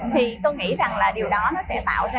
thì tôi nghĩ rằng điều đó sẽ tạo ra